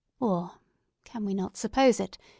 Or—can we not suppose it?